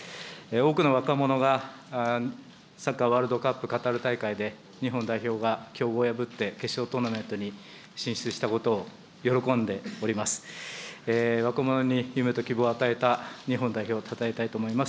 多くの若者が、サッカーワールドカップ、カタール大会で日本代表が強豪を破って、決勝トーナメントに進出したことを喜んでおります。